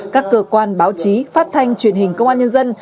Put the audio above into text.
các cơ quan báo chí phát thanh truyền hình công an nhân dân